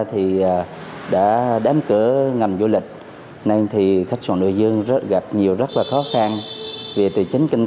thì rơi vào tình cảnh cầm cự khi khách sạn không đón được khách sạn không đón được khách sạn